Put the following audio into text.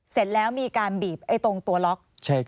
เสร็จแล้วมีการบีบตรงตัวล็อก